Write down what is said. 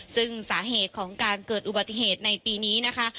ซึ่งสาเหตุของการเกิดอุบัติเหตุในปีนี้นะคะ